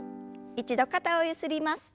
一度肩をゆすります。